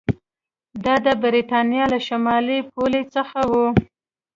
دا د برېټانیا له شمالي پولې څخه و